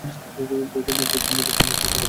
বই যত কম পড়েন, ততই ভাল।